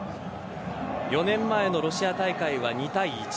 ４年前のロシア大会は２対１。